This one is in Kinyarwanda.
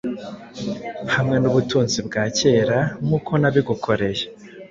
Hamwe nubutunzi bwa kerankukonabigukoreye